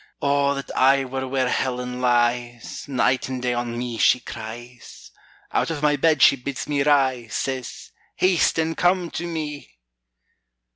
O that I were where Helen lies! Night and day on me she cries; Out of my bed she bids me rise, Says, "Haste and come to me!"